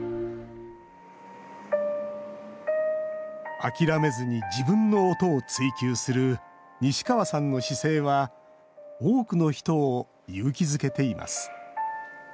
諦めずに自分の音を追求する西川さんの姿勢は多くの人を勇気づけています。